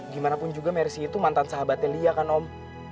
gimanapun juga mercy itu mantan sahabatnya lia kan om